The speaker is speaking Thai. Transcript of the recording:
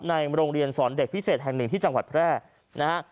โรงเรียนสอนเด็กพิเศษแห่งหนึ่งที่จังหวัดแพร่นะฮะ